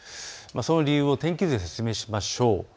その理由を天気図で説明しましょう。